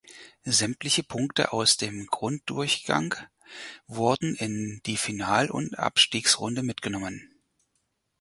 Sämtliche Punkte aus dem Grunddurchgang wurden in die Final- und Abstiegsrunde mitgenommen.